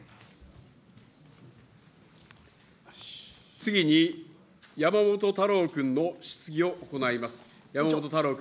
次に、山本太郎君の質疑を行います。